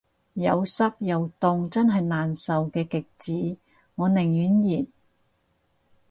有濕又凍真係難受嘅極致，我寧願熱